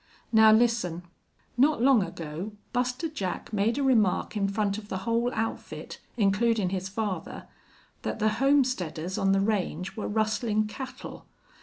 "Now listen. Not long ago Buster Jack made a remark in front of the whole outfit, includin' his father, that the homesteaders on the range were rustlin' cattle.